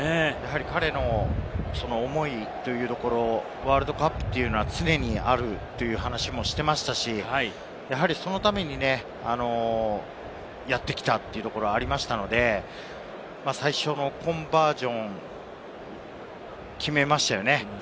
彼の思い、ワールドカップは常にあるという話をしていましたし、そのためにやってきたというところがありましたので、最初のコンバージョン、決めましたよね。